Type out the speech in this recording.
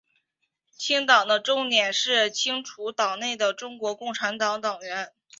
清党的重点是清除党内的中国共产党党员。